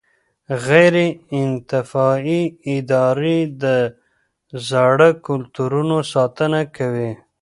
غیر انتفاعي ادارې د زاړه کلتورونو ساتنه کوي.